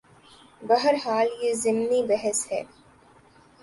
بہرحال یہ ضمنی بحث ہے۔